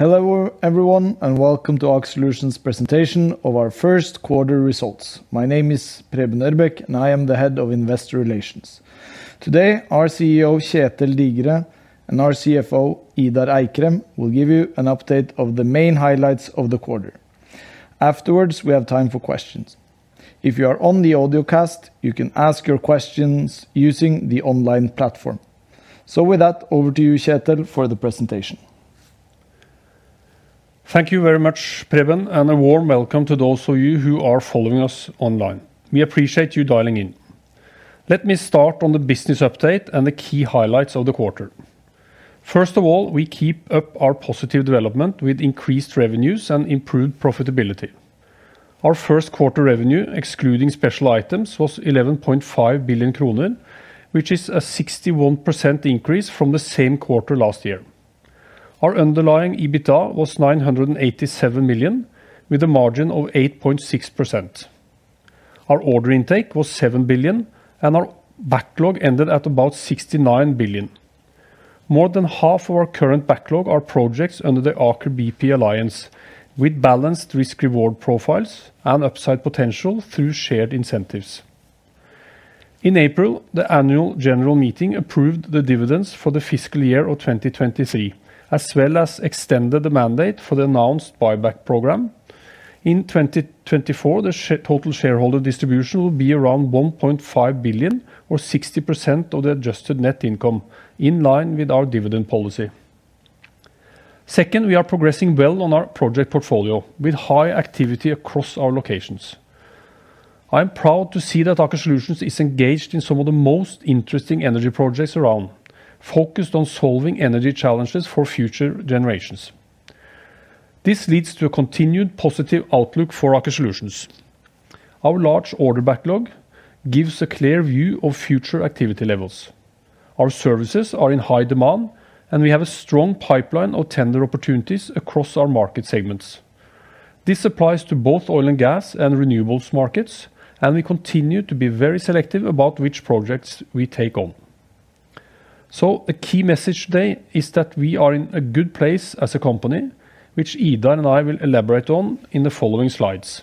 Hello, everyone, and welcome to Aker Solutions presentation of our first quarter results. My name is Preben Ørbeck, and I am the head of Investor Relations. Today, our CEO, Kjetel Digre, and our CFO, Idar Eikrem, will give you an update of the main highlights of the quarter. Afterwards, we have time for questions. If you are on the audio cast, you can ask your questions using the online platform. With that, over to you, Kjetel, for the presentation. Thank you very much, Preben, and a warm welcome to those of you who are following us online. We appreciate you dialing in. Let me start on the business update and the key highlights of the quarter. First of all, we keep up our positive development with increased revenues and improved profitability. Our first quarter revenue, excluding special items, was 11.5 billion kroner, which is a 61% increase from the same quarter last year. Our underlying EBITDA was 987 million, with a margin of 8.6%. Our order intake was 7 billion, and our backlog ended at about 69 billion. More than half of our current backlog are projects under the Aker BP alliance, with balanced risk-reward profiles and upside potential through shared incentives. In April, the annual general meeting approved the dividends for the fiscal year of 2023, as well as extended the mandate for the announced buyback program. In 2024, the total shareholder distribution will be around 1.5 billion, or 60% of the adjusted net income, in line with our dividend policy. Second, we are progressing well on our project portfolio with high activity across our locations. I am proud to see that Aker Solutions is engaged in some of the most interesting energy projects around, focused on solving energy challenges for future generations. This leads to a continued positive outlook for Aker Solutions. Our large order backlog gives a clear view of future activity levels. Our services are in high demand, and we have a strong pipeline of tender opportunities across our market segments. This applies to both oil and gas and renewables markets, and we continue to be very selective about which projects we take on. A key message today is that we are in a good place as a company, which Idar and I will elaborate on in the following slides.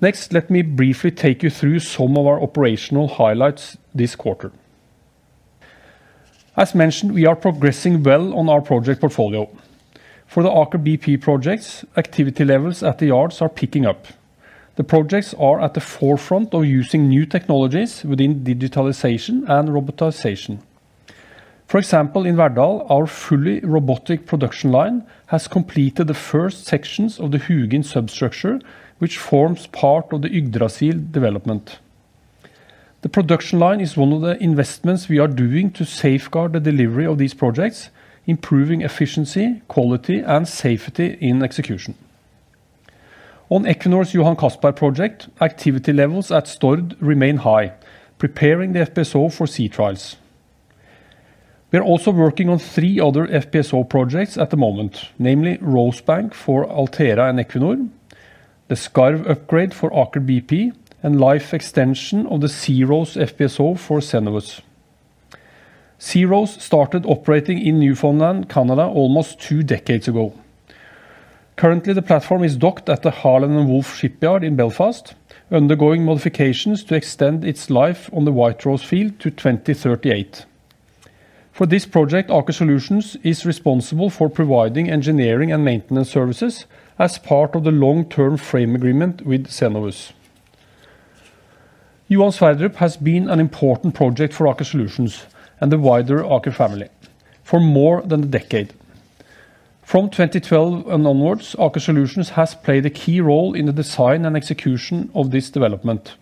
Next, let me briefly take you through some of our operational highlights this quarter. As mentioned, we are progressing well on our project portfolio. For the Aker BP projects, activity levels at the yards are picking up. The projects are at the forefront of using new technologies within digitalization and robotization. For example, in Verdal, our fully robotic production line has completed the first sections of the Hugin substructure, which forms part of the Yggdrasil development. The production line is one of the investments we are doing to safeguard the delivery of these projects, improving efficiency, quality, and safety in execution. On Equinor's Johan Castberg project, activity levels at Stord remain high, preparing the FPSO for sea trials. We are also working on three other FPSO projects at the moment, namely Rosebank for Altera and Equinor, the Skarv upgrade for Aker BP, and life extension of the SeaRose FPSO for Cenovus. SeaRose started operating in Newfoundland, Canada, almost two decades ago. Currently, the platform is docked at the Harland & Wolff shipyard in Belfast, undergoing modifications to extend its life on the White Rose Field to 2038. For this project, Aker Solutions is responsible for providing engineering and maintenance services as part of the long-term frame agreement with Cenovus. Johan Sverdrup has been an important project for Aker Solutions and the wider Aker family for more than a decade. From 2012 onwards, Aker Solutions has played a key role in the design and execution of this development.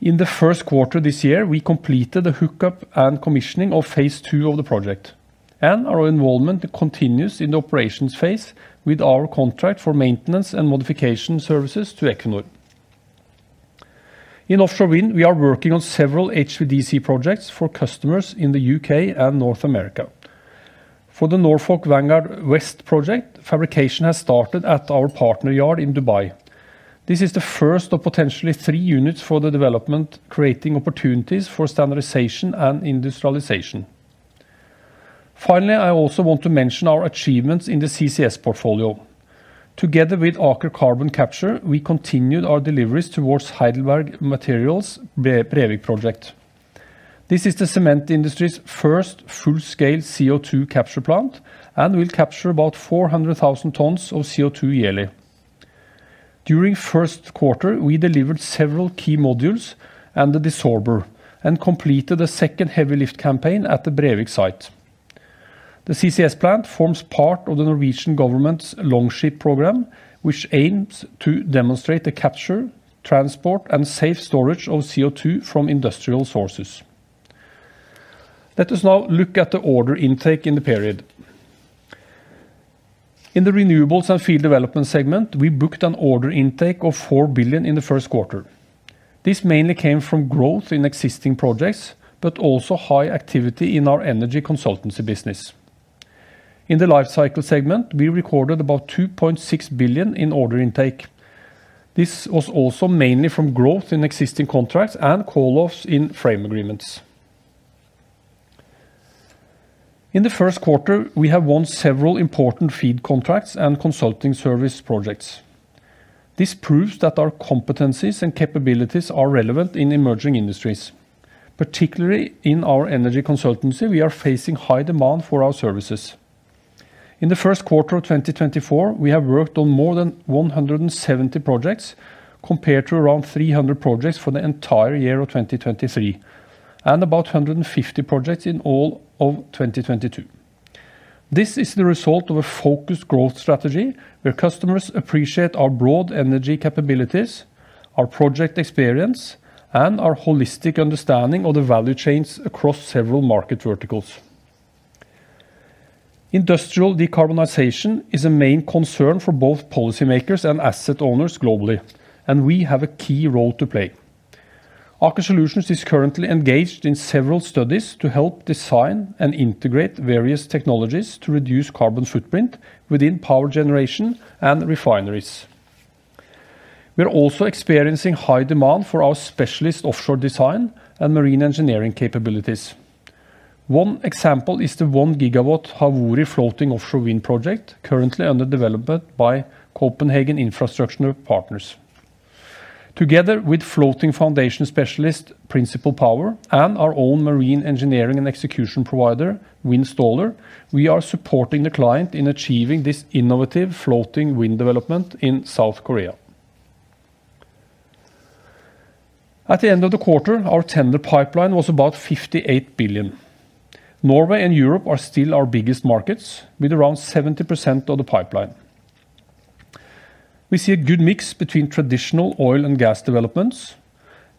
In the first quarter this year, we completed the hookup and commissioning of phase two of the project, and our involvement continues in the operations phase with our contract for maintenance and modification services to Equinor. In offshore wind, we are working on several HVDC projects for customers in the U.K. and North America. For the Norfolk Vanguard West project, fabrication has started at our partner yard in Dubai. This is the first of potentially three units for the development, creating opportunities for standardization and industrialization. Finally, I also want to mention our achievements in the CCS portfolio. Together with Aker Carbon Capture, we continued our deliveries towards Heidelberg Materials Brevik project. This is the cement industry's first full-scale CO2 capture plant and will capture about 400,000 tons of CO2 yearly. During first quarter, we delivered several key modules and the desorber and completed a second heavy lift campaign at the Brevik site. The CCS plant forms part of the Norwegian Government's Longship program, which aims to demonstrate the capture, transport, and safe storage of CO2 from industrial sources. Let us now look at the order intake in the period. In the renewables and field development segment, we booked an order intake of 4 billion in the first quarter. This mainly came from growth in existing projects, but also high activity in our energy consultancy business. In the life cycle segment, we recorded about 2.6 billion in order intake.... This was also mainly from growth in existing contracts and call-offs in frame agreements. In the first quarter, we have won several important FEED contracts and consulting service projects. This proves that our competencies and capabilities are relevant in emerging industries. Particularly in our energy consultancy, we are facing high demand for our services. In the first quarter of 2024, we have worked on more than 170 projects, compared to around 300 projects for the entire year of 2023, and about 150 projects in all of 2022. This is the result of a focused growth strategy, where customers appreciate our broad energy capabilities, our project experience, and our holistic understanding of the value chains across several market verticals. Industrial decarbonization is a main concern for both policymakers and asset owners globally, and we have a key role to play. Aker Solutions is currently engaged in several studies to help design and integrate various technologies to reduce carbon footprint within power generation and refineries. We are also experiencing high demand for our specialist offshore design and marine engineering capabilities. One example is the 1 GW Haewoori floating offshore wind project, currently under development by Copenhagen Infrastructure Partners. Together with floating foundation specialist, Principal Power, and our own marine engineering and execution provider, Windstaller, we are supporting the client in achieving this innovative floating wind development in South Korea. At the end of the quarter, our tender pipeline was about 58 billion. Norway and Europe are still our biggest markets, with around 70% of the pipeline. We see a good mix between traditional oil and gas developments,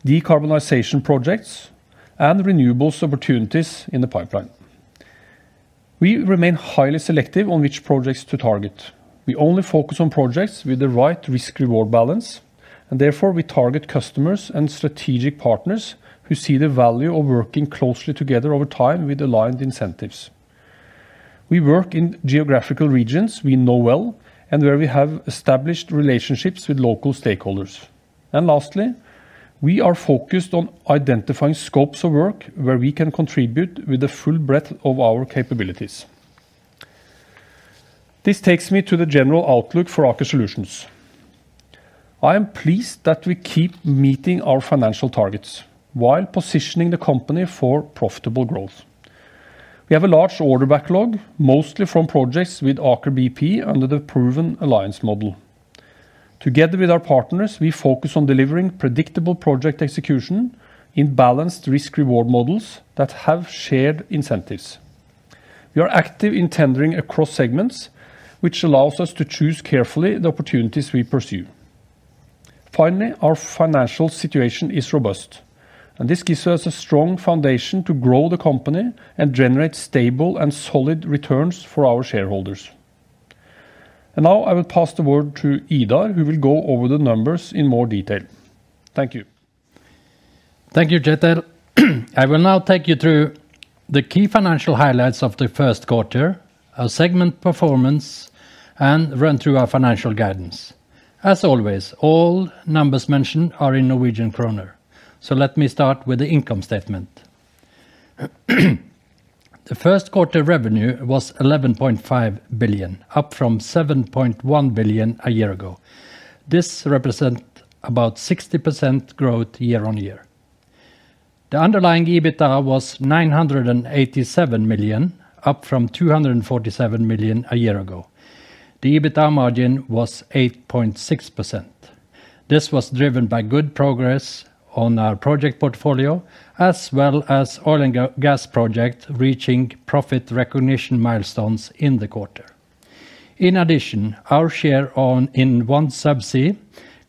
decarbonization projects, and renewables opportunities in the pipeline. We remain highly selective on which projects to target. We only focus on projects with the right risk-reward balance, and therefore we target customers and strategic partners who see the value of working closely together over time with aligned incentives. We work in geographical regions we know well, and where we have established relationships with local stakeholders. And lastly, we are focused on identifying scopes of work where we can contribute with the full breadth of our capabilities. This takes me to the general outlook for Aker Solutions. I am pleased that we keep meeting our financial targets while positioning the company for profitable growth. We have a large order backlog, mostly from projects with Aker BP under the proven alliance model. Together with our partners, we focus on delivering predictable project execution in balanced risk-reward models that have shared incentives. We are active in tendering across segments, which allows us to choose carefully the opportunities we pursue. Finally, our financial situation is robust, and this gives us a strong foundation to grow the company and generate stable and solid returns for our shareholders. And now I will pass the word to Idar, who will go over the numbers in more detail. Thank you. Thank you, Kjetel. I will now take you through the key financial highlights of the first quarter, our segment performance, and run through our financial guidance. As always, all numbers mentioned are in Norwegian kroner. So let me start with the income statement. The first quarter revenue was 11.5 billion, up from 7.1 billion a year ago. This represent about 60% growth year-on-year. The underlying EBITDA was 987 million, up from 247 million a year ago. The EBITDA margin was 8.6%. This was driven by good progress on our project portfolio, as well as oil and gas project, reaching profit recognition milestones in the quarter. In addition, our share in OneSubsea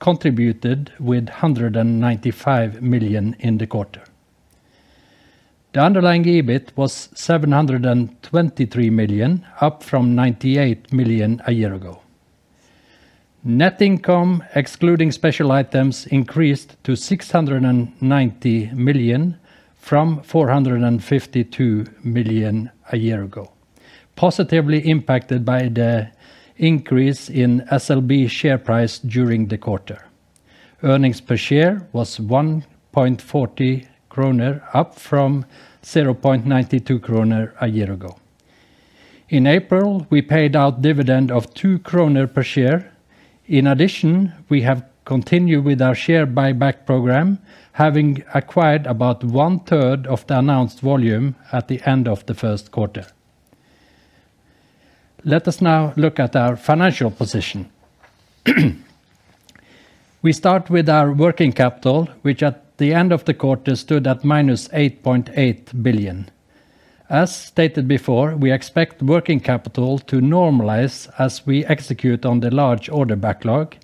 contributed with 195 million in the quarter. The underlying EBIT was 723 million, up from 98 million a year ago. Net income, excluding special items, increased to 690 million from 452 million a year ago, positively impacted by the increase in SLB share price during the quarter. Earnings per share was 1.40 kroner, up from 0.92 kroner a year ago. In April, we paid out dividend of 2 kroner per share. In addition, we have continued with our share buyback program, having acquired about one third of the announced volume at the end of the first quarter. Let us now look at our financial position. We start with our working capital, which at the end of the quarter, stood at -8.8 billion. As stated before, we expect working capital to normalize as we execute on the large order backlog,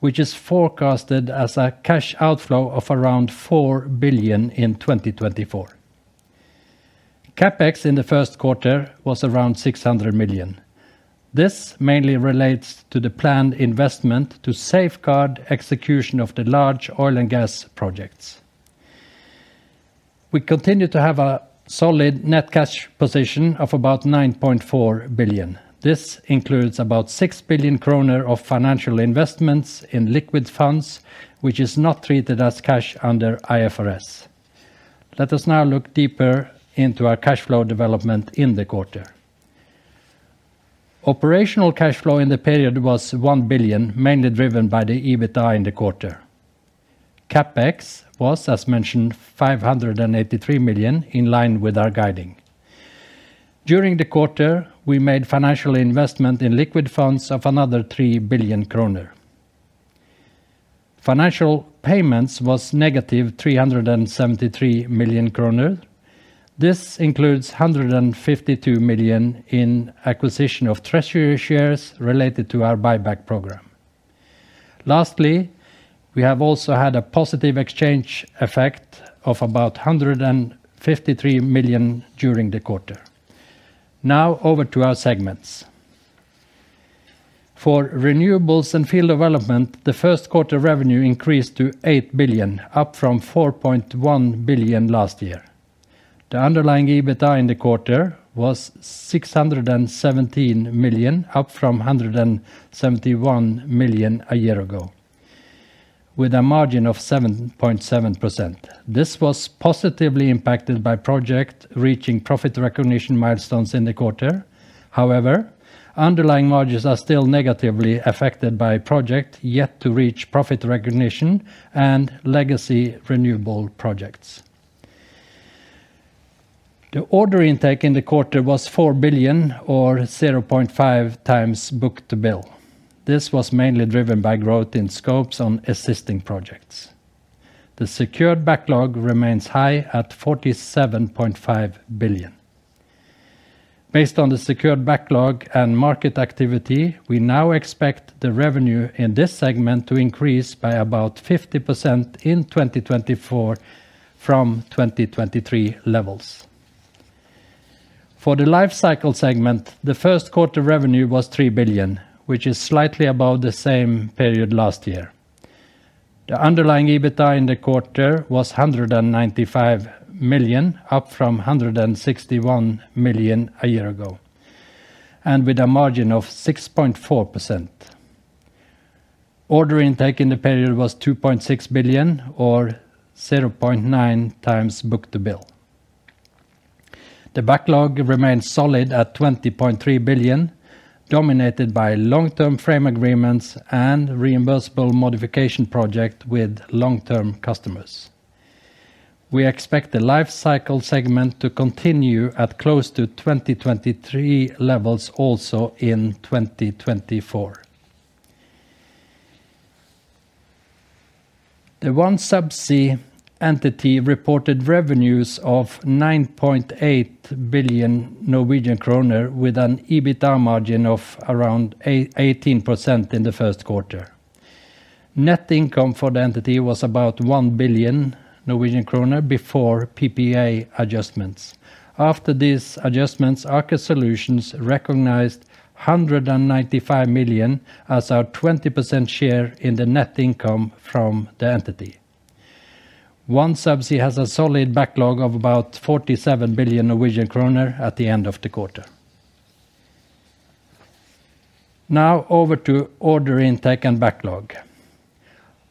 which is forecasted as a cash outflow of around 4 billion in 2024. CapEx in the first quarter was around 600 million. This mainly relates to the planned investment to safeguard execution of the large oil and gas projects. We continue to have a solid net cash position of about 9.4 billion. This includes about 6 billion kroner of financial investments in liquid funds, which is not treated as cash under IFRS. Let us now look deeper into our cash flow development in the quarter. Operational cash flow in the period was 1 billion, mainly driven by the EBITDA in the quarter. CapEx was, as mentioned, 583 million, in line with our guiding. During the quarter, we made financial investment in liquid funds of another 3 billion kroner. Financial payments was NOK-373 million. This includes 152 million in acquisition of treasury shares related to our buyback program. Lastly, we have also had a positive exchange effect of about 153 million during the quarter. Now, over to our segments. For renewables and field development, the first quarter revenue increased to 8 billion, up from 4.1 billion last year. The underlying EBITDA in the quarter was 617 million, up from 171 million a year ago, with a margin of 7.7%. This was positively impacted by project reaching profit recognition milestones in the quarter. However, underlying margins are still negatively affected by project yet to reach profit recognition and legacy renewable projects. The order intake in the quarter was 4 billion or 0.5 times book-to-bill. This was mainly driven by growth in scopes on existing projects. The secured backlog remains high at 47.5 billion. Based on the secured backlog and market activity, we now expect the revenue in this segment to increase by about 50% in 2024 from 2023 levels. For the life cycle segment, the first quarter revenue was 3 billion, which is slightly above the same period last year. The underlying EBITDA in the quarter was 195 million, up from 161 million a year ago, and with a margin of 6.4%. Order intake in the period was 2.6 billion or 0.9 times book-to-bill. The backlog remains solid at 20.3 billion, dominated by long-term frame agreements and reimbursable modification project with long-term customers. We expect the life cycle segment to continue at close to 2023 levels also in 2024. The OneSubsea entity reported revenues of 9.8 billion Norwegian kroner, with an EBITDA margin of around 18% in the first quarter. Net income for the entity was about 1 billion Norwegian kroner before PPA adjustments. After these adjustments, Aker Solutions recognized 195 million as our 20% share in the net income from the entity. OneSubsea has a solid backlog of about NOK 47 billion at the end of the quarter. Now, over to order intake and backlog.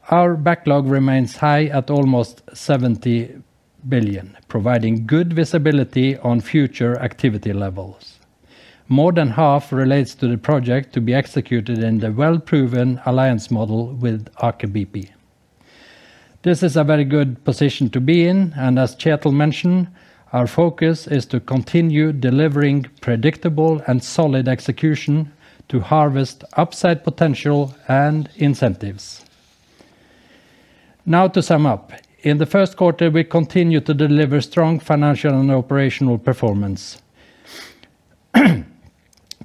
Our backlog remains high at almost 70 billion, providing good visibility on future activity levels. More than half relates to the project to be executed in the well-proven alliance model with Aker BP. This is a very good position to be in, and as Kjetel mentioned, our focus is to continue delivering predictable and solid execution to harvest upside potential and incentives. Now, to sum up, in the first quarter, we continued to deliver strong financial and operational performance.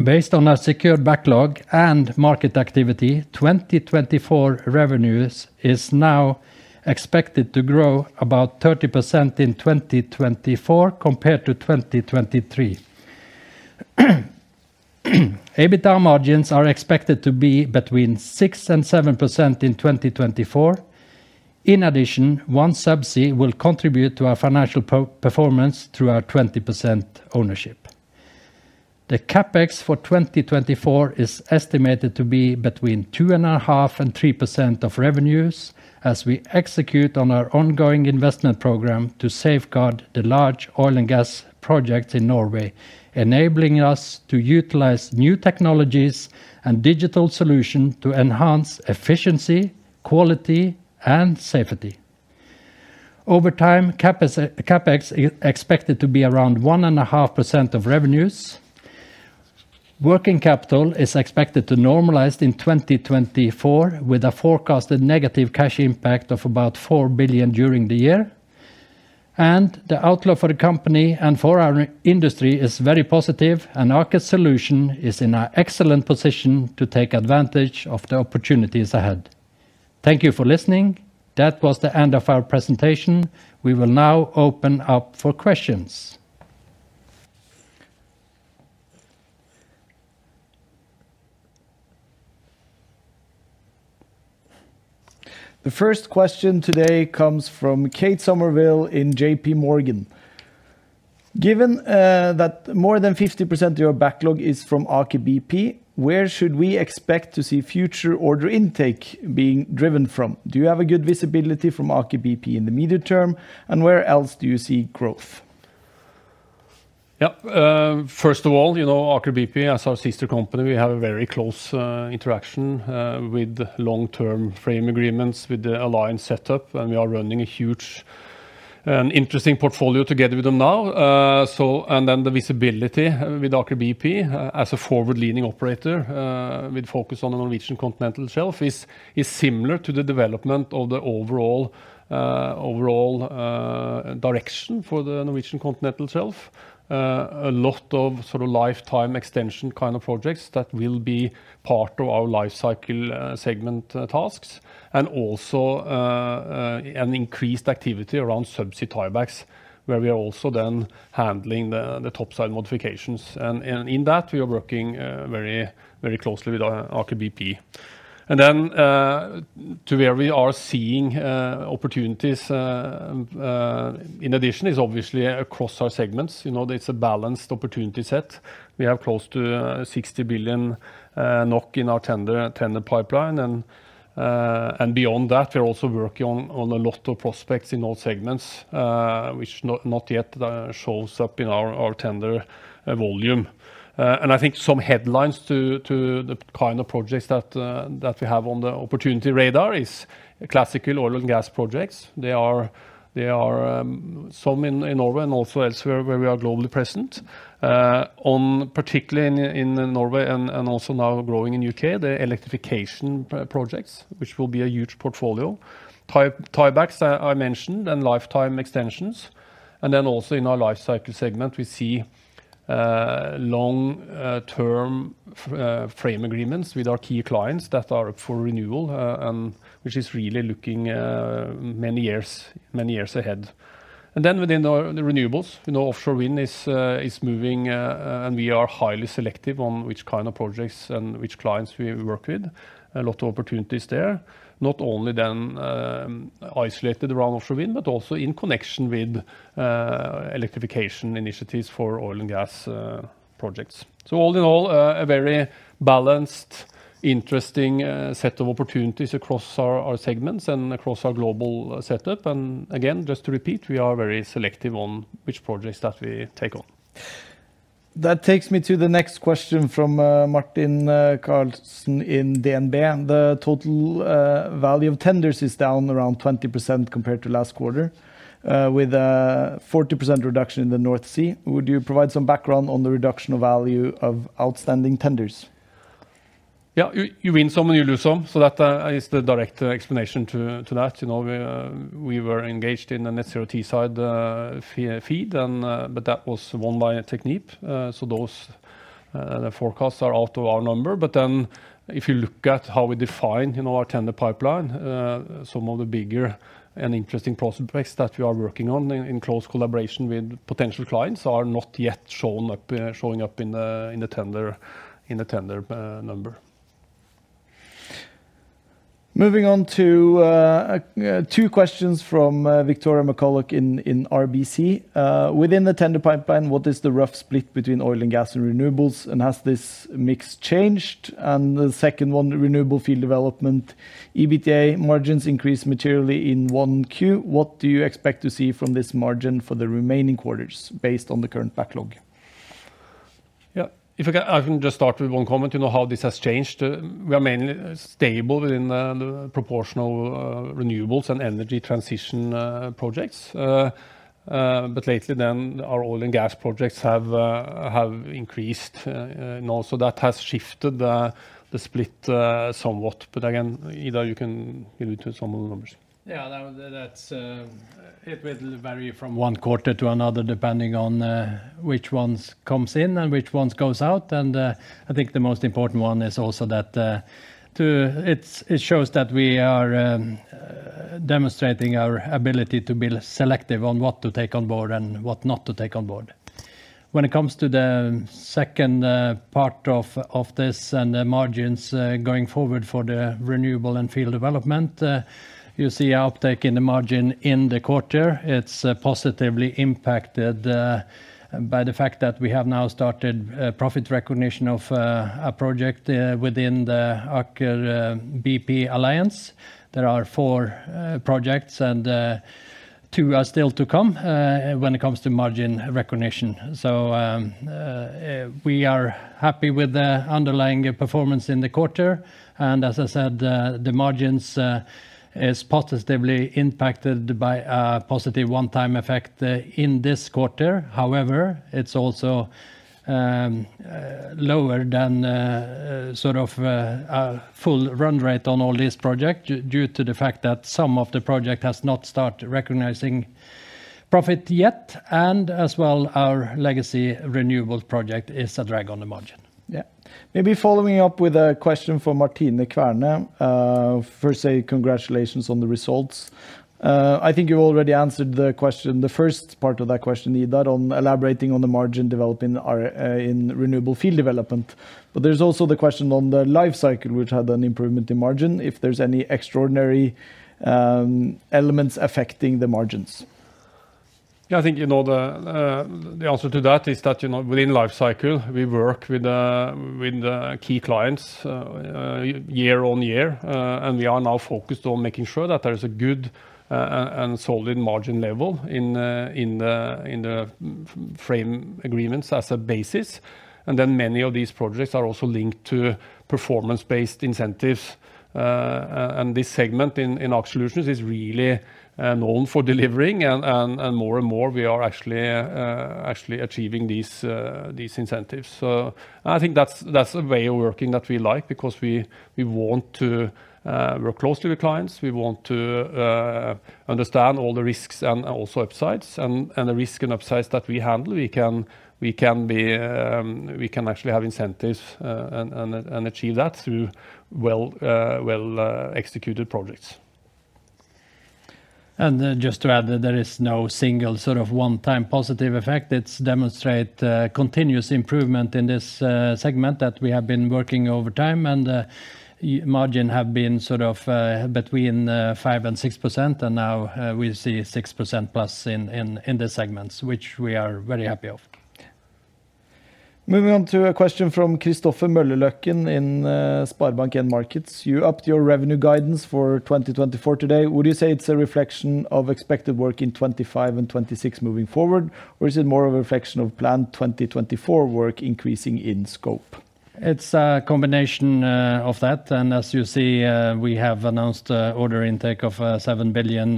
Based on our secured backlog and market activity, 2024 revenues is now expected to grow about 30% in 2024 compared to 2023. EBITDA margins are expected to be between 6% and 7% in 2024. In addition, OneSubsea will contribute to our financial performance through our 20% ownership. The CapEx for 2024 is estimated to be between 2.5%-3% of revenues, as we execute on our ongoing investment program to safeguard the large oil and gas projects in Norway, enabling us to utilize new technologies and digital solution to enhance efficiency, quality, and safety. Over time, CapEx expected to be around 1.5% of revenues. Working capital is expected to normalize in 2024, with a forecasted negative cash impact of about 4 billion during the year, and the outlook for the company and for our industry is very positive, and Aker Solutions is in an excellent position to take advantage of the opportunities ahead. Thank you for listening. That was the end of our presentation. We will now open up for questions. The first question today comes from Kate Somerville in JPMorgan. Given that more than 50% of your backlog is from Aker BP, where should we expect to see future order intake being driven from? Do you have a good visibility from Aker BP in the medium term, and where else do you see growth? Yeah, first of all, you know, Aker BP, as our sister company, we have a very close interaction with long-term frame agreements with the alliance set up, and we are running a huge and interesting portfolio together with them now. So and then the visibility with Aker BP, as a forward-leaning operator, with focus on the Norwegian continental shelf, is similar to the development of the overall direction for the Norwegian continental shelf. A lot of sort of lifetime extension kind of projects that will be part of our lifecycle segment tasks, and also an increased activity around subsea tiebacks, where we are also then handling the topside modifications. And in that, we are working very, very closely with Aker BP. Then, to where we are seeing opportunities, in addition, is obviously across our segments. You know, it's a balanced opportunity set. We have close to 60 billion NOK in our tender pipeline. And beyond that, we're also working on a lot of prospects in all segments, which not yet shows up in our tender volume. And I think some headlines to the kind of projects that we have on the opportunity radar is classical oil and gas projects. They are some in Norway and also elsewhere where we are globally present. On particularly in Norway and also now growing in U.K., the electrification projects, which will be a huge portfolio. Tiebacks, I mentioned, and lifetime extensions, and then also in our lifecycle segment, we see long term frame agreements with our key clients that are up for renewal, and which is really looking many years, many years ahead. And then within the renewables, you know, offshore wind is moving, and we are highly selective on which kind of projects and which clients we work with. A lot of opportunities there, not only then isolated around offshore wind, but also in connection with electrification initiatives for oil and gas projects. So all in all, a very balanced, interesting set of opportunities across our segments and across our global setup. And again, just to repeat, we are very selective on which projects that we take on. That takes me to the next question from, Martin Karlsen in DNB. The total value of tenders is down around 20% compared to last quarter, with a 40% reduction in the North Sea. Would you provide some background on the reduction of value of outstanding tenders? Yeah, you win some, and you lose some, so that is the direct explanation to that. You know, we were engaged in the Net Zero Teesside FEED, and but that was won by Technip. So those forecasts are out of our number. But then if you look at how we define, you know, our tender pipeline, some of the bigger and interesting prospects that we are working on in close collaboration with potential clients are not yet shown up, showing up in the tender number. Moving on to two questions from Victoria McCulloch in RBC. Within the tender pipeline, what is the rough split between oil and gas and renewables, and has this mix changed? And the second one, renewable field development, EBITDA margins increased materially in 1Q. What do you expect to see from this margin for the remaining quarters based on the current backlog? Yeah, if I can, I can just start with one comment to know how this has changed. We are mainly stable within the proportional renewables and energy transition projects. But lately then, our oil and gas projects have increased, and also that has shifted the split somewhat. But again, Idar, you can give me some of the numbers. Yeah, that, that's... It will vary from one quarter to another, depending on which ones comes in and which ones goes out. And I think the most important one is also that it shows that we are demonstrating our ability to be selective on what to take on board and what not to take on board. When it comes to the second part of this and the margins going forward for the renewable and field development, you see an uptake in the margin in the quarter. It's positively impacted by the fact that we have now started profit recognition of a project within the Aker BP alliance. There are four projects, and two are still to come when it comes to margin recognition. So, we are happy with the underlying performance in the quarter, and as I said, the margins is positively impacted by a positive one-time effect in this quarter. However, it's also lower than sort of a full run rate on all this project, due to the fact that some of the project has not started recognizing profit yet, and as well, our legacy renewables project is a drag on the margin. Yeah. Maybe following up with a question from Martine Kverne. First, say congratulations on the results. I think you already answered the question, the first part of that question, Idar, on elaborating on the margin development in our, in renewable field development. But there's also the question on the life cycle, which had an improvement in margin, if there's any extraordinary elements affecting the margins? Yeah, I think, you know, the answer to that is that, you know, within life cycle, we work with the key clients, year on year. And we are now focused on making sure that there is a good and solid margin level in the frame agreements as a basis. And then many of these projects are also linked to performance-based incentives. And this segment in Aker Solutions is really known for delivering, and more and more, we are actually achieving these incentives. So I think that's a way of working that we like because we want to work closely with clients. We want to understand all the risks and also upsides, and the risk and upsides that we handle. We can actually have incentives and achieve that through well executed projects. Just to add, that there is no single sort of one-time positive effect. It's demonstrating continuous improvement in this segment that we have been working over time, and margin has been sort of between 5% and 6%, and now we see 6%+ in the segments, which we are very happy of. Moving on to a question from Christopher Møllerløkken in Sparebank 1 Markets: You upped your revenue guidance for 2024 today. Would you say it's a reflection of expected work in 2025 and 2026 moving forward, or is it more of a reflection of planned 2024 work increasing in scope? It's a combination of that, and as you see, we have announced order intake of 7 billion,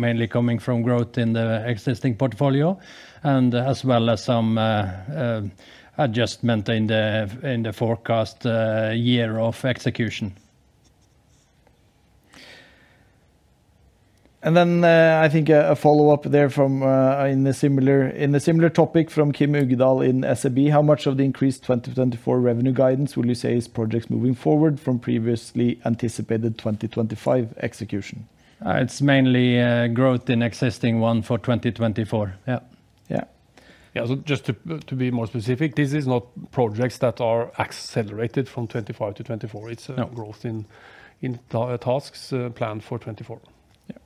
mainly coming from growth in the existing portfolio, and as well as some adjustment in the forecast year of execution. I think a follow-up there in the similar topic from Kim Uggedal from SEB. How much of the increased 2024 revenue guidance will you say is projects moving forward from previously anticipated 2025 execution? It's mainly growth in existing one for 2024. Yeah, yeah. Yeah, so just to be more specific, this is not projects that are accelerated from 2025 to 2024. No. It's a growth in tasks planned for 2024. Yeah.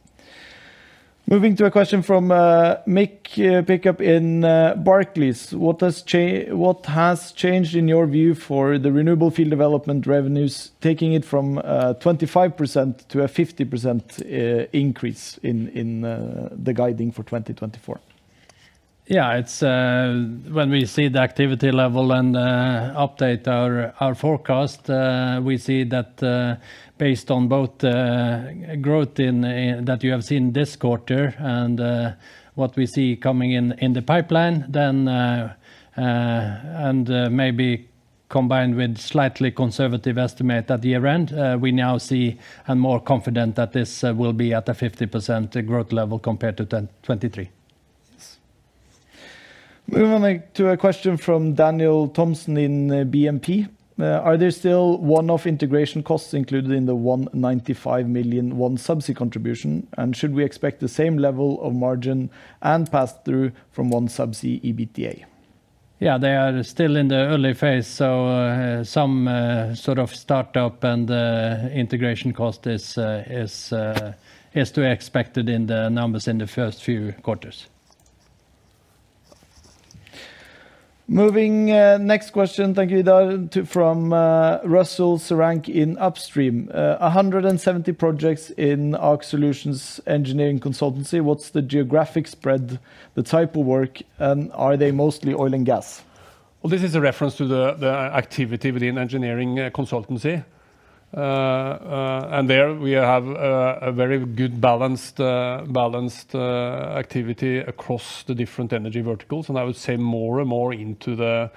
Moving to a question from Mick Pickup in Barclays. What has changed, in your view, for the renewable field development revenues, taking it from 25% to a 50% increase in the guiding for 2024? Yeah, it's... When we see the activity level and update our forecast, we see that based on both growth in that you have seen this quarter and what we see coming in the pipeline, then and maybe combined with slightly conservative estimate at the end, we now see and more confident that this will be at a 50% growth level compared to 2023. Yes. Moving on, like, to a question from Daniel Thomson in, BNP. Are there still one-off integration costs included in the 195 million OneSubsea contribution? And should we expect the same level of margin and pass-through from OneSubsea EBITDA? Yeah, they are still in the early phase, so, some sort of start-up and integration cost is to be expected in the numbers in the first few quarters. Moving. Next question, thank you, Idar, from Russell Searancke in Upstream. 170 projects in Aker Solutions engineering consultancy. What's the geographic spread, the type of work, and are they mostly oil and gas? Well, this is a reference to the activity within engineering consultancy. And there we have a very good balanced activity across the different energy verticals, and I would say more and more into the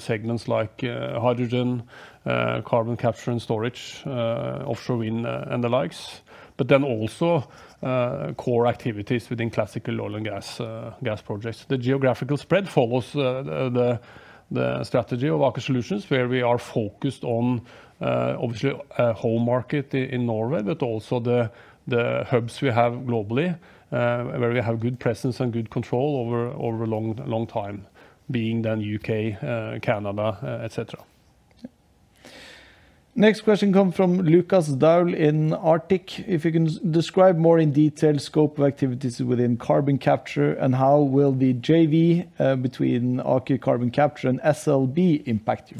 segments like hydrogen, carbon capture and storage, offshore wind, and the likes, but then also core activities within classical oil and gas, gas projects. The geographical spread follows the strategy of Aker Solutions, where we are focused on obviously a home market in Norway, but also the hubs we have globally, where we have good presence and good control over long time, being then U.K., Canada, et cetera. Yeah. Next question come from Lukas Daul in Arctic. If you can describe more in detail scope of activities within carbon capture, and how will the JV between Aker Carbon Capture and SLB impact you?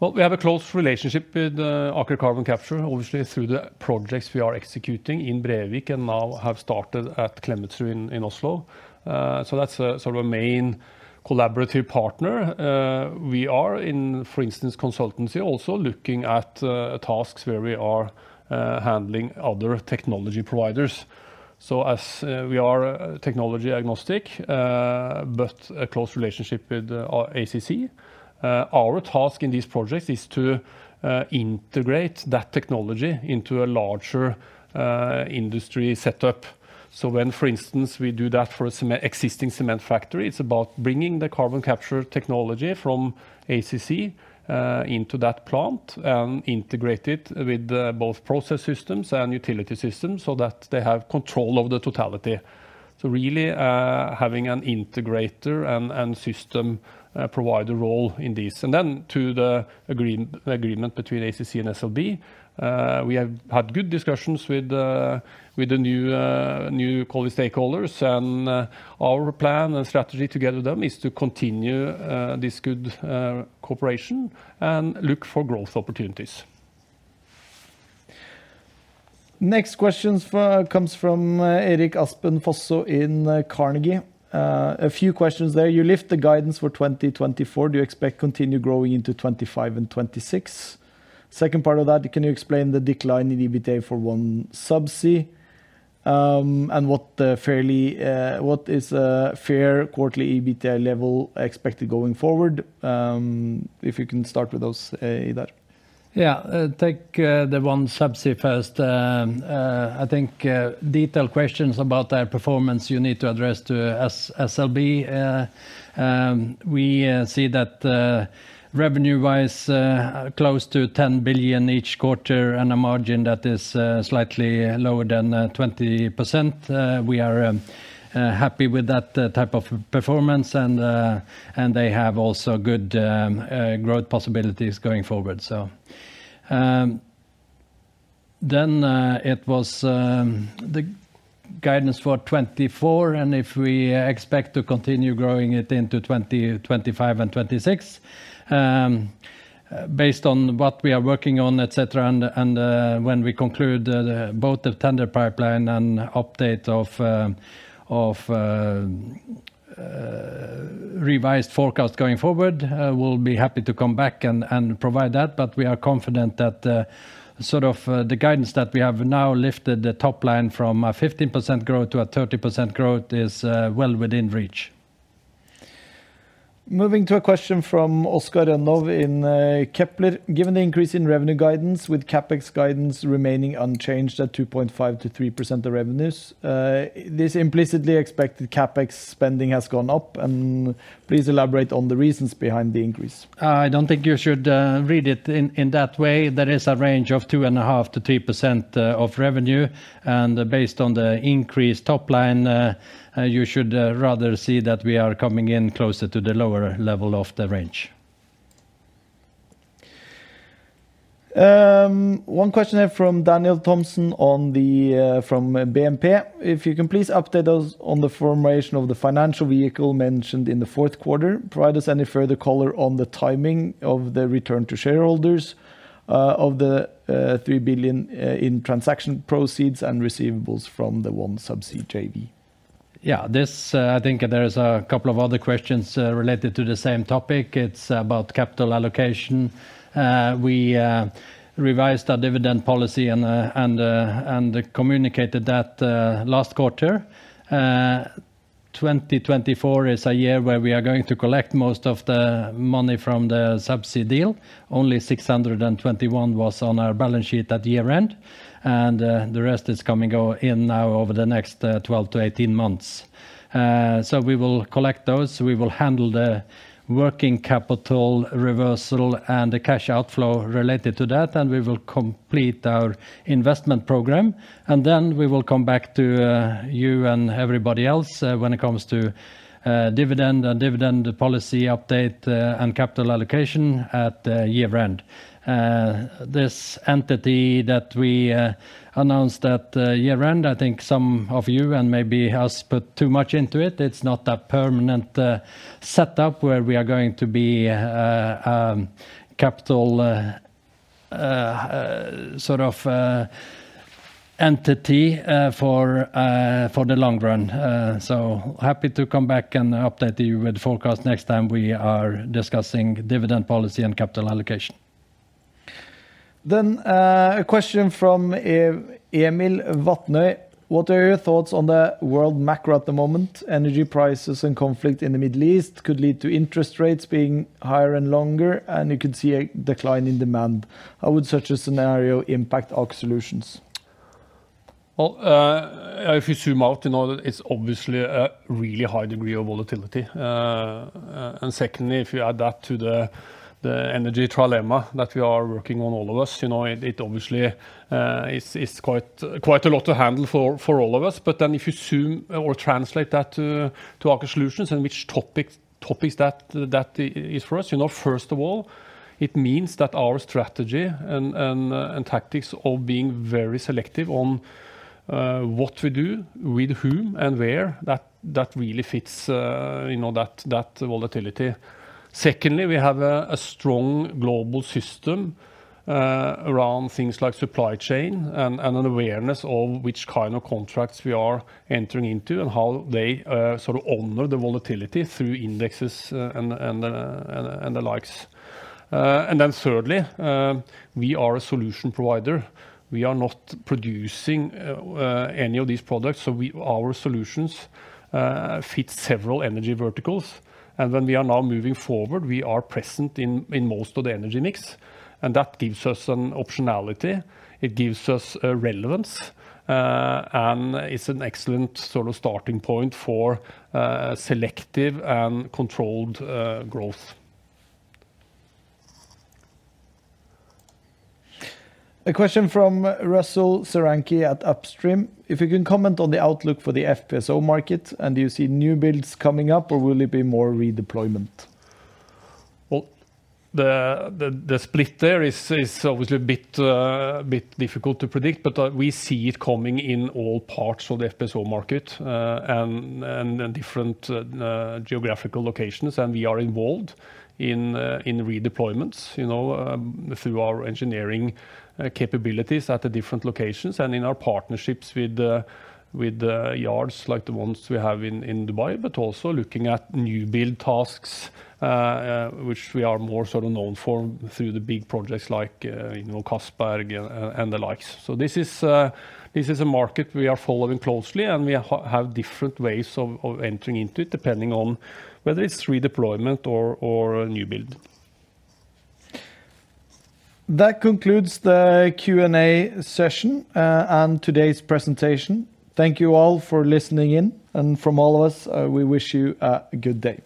Well, we have a close relationship with Aker Carbon Capture, obviously, through the projects we are executing in Brevik and now have started at Klemetsrud in Oslo. So that's sort of a main collaborative partner. We are in, for instance, consultancy, also looking at tasks where we are handling other technology providers. So as we are technology agnostic, but a close relationship with ACC, our task in these projects is to integrate that technology into a larger industry setup. So when, for instance, we do that for an existing cement factory, it's about bringing the carbon capture technology from ACC into that plant, and integrate it with both process systems and utility systems so that they have control over the totality. So really, having an integrator and system provider role in this. And then to the agreement between ACC and SLB, we have had good discussions with the new colleague stakeholders, and our plan and strategy together with them is to continue this good cooperation and look for growth opportunities. Next question comes from Erik Aspen Fosså in Carnegie. A few questions there. You lift the guidance for 2024, do you expect continue growing into 2025 and 2026? Second part of that, can you explain the decline in EBITDA for OneSubsea? And what is a fair quarterly EBITDA level expected going forward? If you can start with those, that. Yeah, take the OneSubsea first. I think detailed questions about their performance, you need to address to SLB. We see that, revenue-wise, close to 10 billion each quarter, and a margin that is slightly lower than 20%. We are happy with that type of performance, and they have also good growth possibilities going forward. So, then it was the guidance for 2024, and if we expect to continue growing it into 2025 and 2026. Based on what we are working on, et cetera, and when we conclude both the tender pipeline and update of revised forecast going forward, we'll be happy to come back and provide that. But we are confident that, sort of, the guidance that we have now lifted the top line from a 15% growth to a 30% growth is well within reach. Moving to a question from Oscar Rønnov in Kepler. Given the increase in revenue guidance, with CapEx guidance remaining unchanged at 2.5%-3% of revenues, this implicitly expected CapEx spending has gone up, and please elaborate on the reasons behind the increase. I don't think you should read it in that way. There is a range of 2.5%-3% of revenue, and based on the increased top line, you should rather see that we are coming in closer to the lower level of the range. One question here from Daniel Thomson on the from BNP. If you can, please update us on the formation of the financial vehicle mentioned in the fourth quarter. Provide us any further color on the timing of the return to shareholders of the 3 billion in transaction proceeds and receivables from the OneSubsea JV. Yeah. This, I think there's a couple of other questions related to the same topic. It's about capital allocation. We revised our dividend policy and communicated that last quarter. 2024 is a year where we are going to collect most of the money from the Subsea deal. Only 621 was on our balance sheet at the year-end, and the rest is coming in now over the next 12-18 months. So we will collect those, we will handle the working capital reversal and the cash outflow related to that, and we will complete our investment program. And then we will come back to you and everybody else when it comes to dividend and dividend policy update and capital allocation at the year-end. This entity that we announced at year-end, I think some of you and maybe has put too much into it. It's not a permanent setup where we are going to be capital sort of entity for the long run. So happy to come back and update you with the forecast next time we are discussing dividend policy and capital allocation. Then, a question from Emil Vatne: What are your thoughts on the world macro at the moment? Energy prices and conflict in the Middle East could lead to interest rates being higher and longer, and you could see a decline in demand. How would such a scenario impact Aker Solutions? Well, if you zoom out, you know, it's obviously a really high degree of volatility. And secondly, if you add that to the energy trilemma that we are working on, all of us, you know, it obviously is quite a lot to handle for all of us. But then if you zoom or translate that to Aker Solutions, and which topics that is for us, you know, first of all, it means that our strategy and tactics of being very selective on what we do, with whom, and where, that really fits, you know, that volatility. Secondly, we have a strong global system around things like supply chain and an awareness of which kind of contracts we are entering into, and how they sort of honor the volatility through indexes and the likes. And then thirdly, we are a solution provider. We are not producing any of these products, so our solutions fit several energy verticals. And when we are now moving forward, we are present in most of the energy mix, and that gives us an optionality, it gives us a relevance, and it's an excellent sort of starting point for selective and controlled growth. A question from Russell Searancke at Upstream: If you can comment on the outlook for the FPSO market, and do you see new builds coming up, or will it be more redeployment? Well, the split there is obviously a bit difficult to predict, but we see it coming in all parts of the FPSO market, and different geographical locations. And we are involved in redeployments, you know, through our engineering capabilities at the different locations and in our partnerships with the yards, like the ones we have in Dubai. But also looking at new build tasks, which we are more sort of known for through the big projects like, you know, Castberg and the likes. So this is a market we are following closely, and we have different ways of entering into it, depending on whether it's redeployment or a new build. That concludes the Q&A session, and today's presentation. Thank you all for listening in, and from all of us, we wish you a good day.